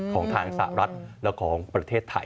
ของทางสหรัฐและของประเทศไทย